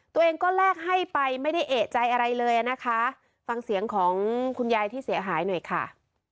ตัวเองก็แลกให้ไปไม่ได้เอกใจอะไรเลยนะคะฟังเสียงของคุณยายที่เสียหายหน่อยค่ะ